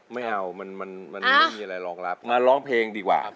ไม่เอามันมันไม่มีอะไรรองรับมาร้องเพลงดีกว่า